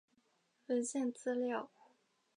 文献资料